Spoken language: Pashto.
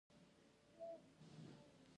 دا میوه د وینې گردش ښه کوي.